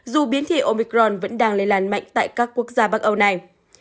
dù biến thị omicron vẫn đang lây lan mạnh tại các quốc gia bắc âu này